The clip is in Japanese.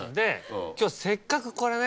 今日せっかくこれね